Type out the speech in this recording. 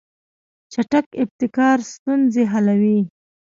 چټک ابتکار ستونزې حلوي.